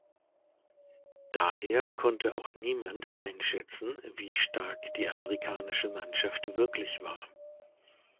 Daher konnte auch niemand einschätzen wie stark die amerikanische Mannschaft wirklich war.